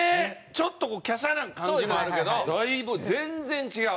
ちょっと華奢な感じもあるけどだいぶ全然違う！